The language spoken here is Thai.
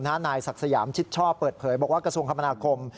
นายศักดิ์สยามชิดชอบเปิดเผยบอกว่ากระทรวงคมนาคม